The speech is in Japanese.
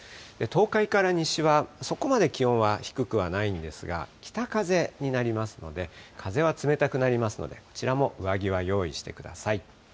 東海から西は、そこまで気温は低くはないんですが、北風になりますので、風は冷たくなりますので、こちらも上着は用意してください。